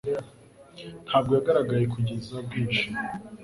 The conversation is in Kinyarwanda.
Ntabwo yagaragaye kugeza bwije